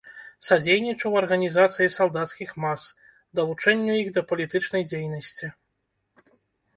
Садзейнічаў арганізацыі салдацкіх мас, далучэнню іх да палітычнай дзейнасці.